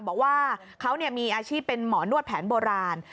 บอกว่าเขามีอาชีพเป็นหมอนวดแผนโบราณ